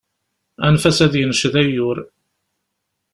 Anef-as ad yenced ayyur.